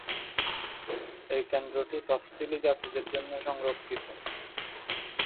এই কেন্দ্রটি তফসিলি জাতিদের জন্য সংরক্ষিত।